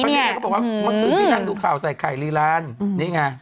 เขาบอกว่าเมื่อคืนพี่นั่งดูค่าวทรายคลายรีรันดินี่ไง